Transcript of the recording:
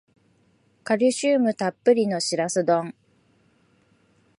カルシウムたっぷりのシラス丼